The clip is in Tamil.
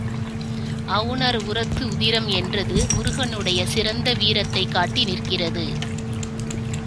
அவுணர் உரத்து உதிரம் என்றது முருகனுடைய சிறந்த வீரத்தைக் காட்டி நிற்கிறது.